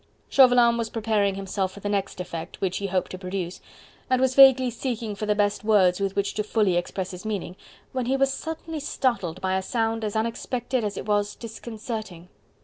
Chauvelin was preparing himself for the next effect which he hoped to produce, and was vaguely seeking for the best words with which to fully express his meaning, when he was suddenly startled by a sound as unexpected as it was disconcerting.